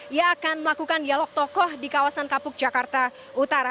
ia akan melakukan dialog tokoh di kawasan kapuk jakarta utara